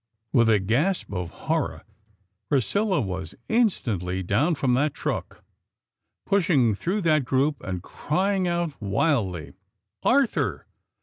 With a gasp of horror, Priscilla was instantly down from that truck, pushing through that group, and crying out, wildly: "_Arthur!